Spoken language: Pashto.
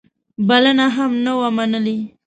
بلنه هم نه وه منلې.